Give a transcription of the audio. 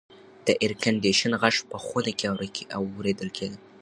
د اېرکنډیشن غږ په خونه کې اورېدل کېده.